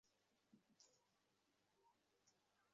এই শরীর ত্যাগ করো, আর নতুন বডিতে প্রবেশ কোরো।